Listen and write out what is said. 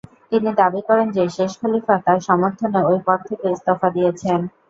তিনি দাবি করেন যে, শেষ খলীফা তার সমর্থনে ঐ পদ থেকে ইস্তফা দিয়েছেন।